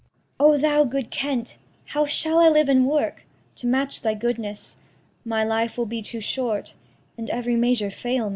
O thou good Kent, how shall I live and work To match thy goodness? My life will be too short And every measure fail me.